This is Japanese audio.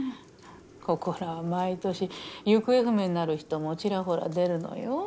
ここらは毎年行方不明になる人もちらほら出るのよ。